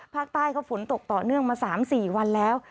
ภาคใต้ก็ฝนตกต่อเนื่องมา๓๔วันแล้ว